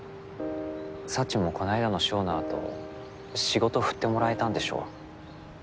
サチもこないだのショーの後仕事振ってもらえたんでしょ？